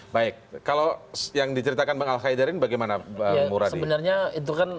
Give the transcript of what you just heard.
baik kalau yang diceritakan bang al qaidar ini bagaimana bang muradi